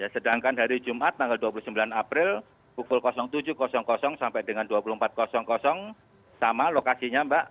sedangkan hari jumat tanggal dua puluh sembilan april pukul tujuh sampai dengan dua puluh empat sama lokasinya mbak